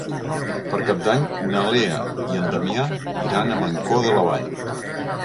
Per Cap d'Any na Lea i en Damià iran a Mancor de la Vall.